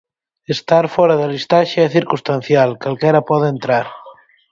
"Estar fóra da listaxe é circunstancial, calquera pode entrar".